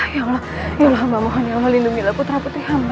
ya allah possa melindungi putra putri hamba